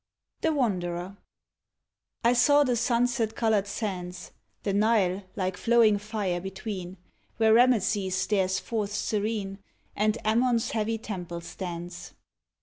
The Wanderer I saw the sunset colored sands, The Nile like flowing fire between, Where Rameses stares forth serene, And Ammon's heavy temple stands.